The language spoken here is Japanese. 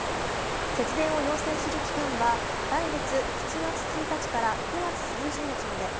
節電を要請する期間は来月７月１日から９月３０日まで。